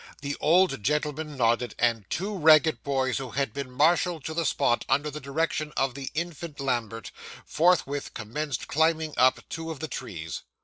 The old gentleman nodded; and two ragged boys who had been marshalled to the spot under the direction of the infant Lambert, forthwith commenced climbing up two of the trees.